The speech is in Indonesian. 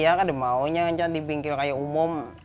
cuma memang kan mereka ingin dipinggil seperti umum